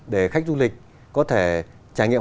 để khách du lịch có thể trải nghiệm